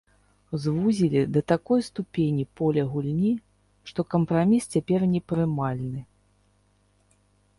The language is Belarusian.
Звузілі да такой ступені поле гульні, што кампраміс цяпер непрымальны.